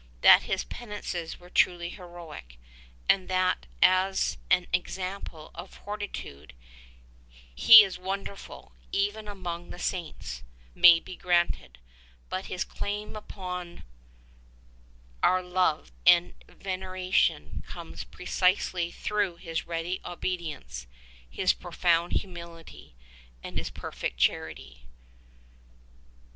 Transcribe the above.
That his penances were truly heroic, and that as an example of fortitude he is wonderful, even among the saints, may be granted ; but his claim upon our love and veneration comes precisely through his ready obedience, his profound humility, and his perfect charity.